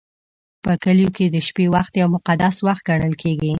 په کلیو کې د شپې وخت یو مقدس وخت ګڼل کېږي.